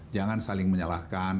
jangan saling menyalahkan